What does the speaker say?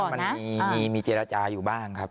ถามว่ามันมีเจรจาอยู่บ้างครับ